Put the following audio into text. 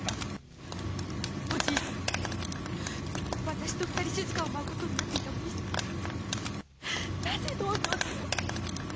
私と『二人静』を舞うことになっていたお兄様がなぜ『道成寺』を！？